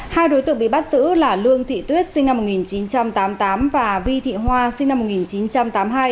hai đối tượng bị bắt giữ là lương thị tuyết sinh năm một nghìn chín trăm tám mươi tám và vi thị hoa sinh năm một nghìn chín trăm tám mươi hai